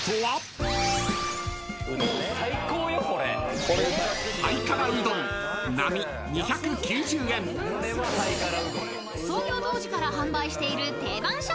［創業当時から販売している定番商品］